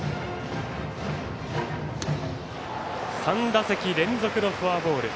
３打席連続のフォアボール。